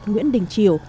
nguyễn đình triều